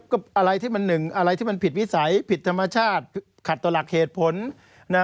ก็อะไรที่มันหนึ่งอะไรที่มันผิดวิสัยผิดธรรมชาติขัดต่อหลักเหตุผลนะ